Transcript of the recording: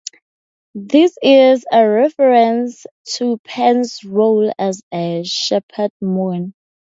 This is a reference to Pan's role as a shepherd moon.